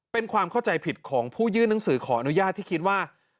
เป็นความเข้าใจผิดของผู้ยื่นหนังสือขออนุญาตที่คิดว่า